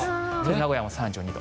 名古屋も３２度。